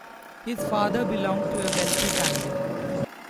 His father belonged to a wealthy family.